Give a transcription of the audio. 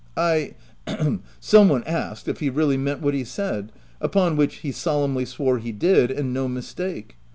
"I — hem — some one asked if he really meant what he said, upon which, he solemnly swore he did, and no mistake.